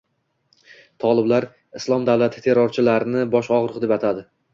Toliblar “Islom davlati” terrorchilarini “bosh og‘riq” deb atadi